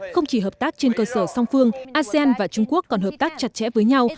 không chỉ hợp tác trên cơ sở song phương asean và trung quốc còn hợp tác chặt chẽ với nhau